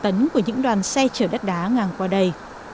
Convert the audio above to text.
đó là một bộ trà tấn của những đoàn xe chở đất đá ngang qua đây